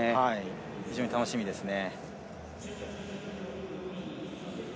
非常に楽しみですね。